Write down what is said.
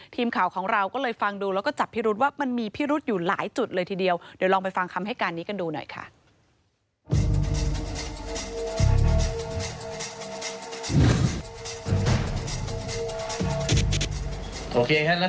ทีมข่าวของเราก็เลยฟังดูแล้วก็จับพิรุษว่ามันมีพิรุษอยู่หลายจุดเลยทีเดียวเดี๋ยวลองไปฟังคำให้การนี้กันดูหน่อยค่ะ